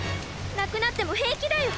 なくなってもへいきだよ。